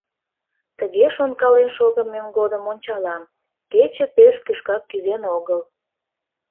Тыге шонкален шогымем годым ончалам: кече пеш кӱшкак кӱзен огыл.